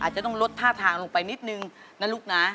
จะต้องลดท่าทางลงไปนิดนึงนะลูกนะ